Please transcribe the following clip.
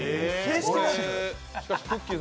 しかし、くっきー！